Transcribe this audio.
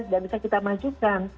dan bisa kita majukan